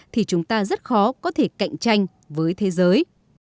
thì chúng ta rất khó có thể cạnh tranh với thế giới